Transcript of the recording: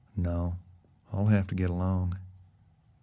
"No, I'll have to get along."